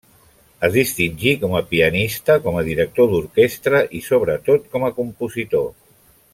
Es distingí com a pianista, com a director d'orquestra i sobretot com a compositor.